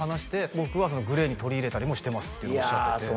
「僕はＧＬＡＹに取り入れたりもしてます」っておっしゃってていや